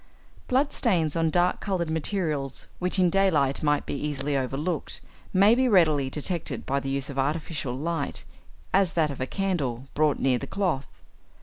= Blood stains on dark coloured materials, which in daylight might be easily overlooked, may be readily detected by the use of artificial light, as that of a candle, brought near the cloth.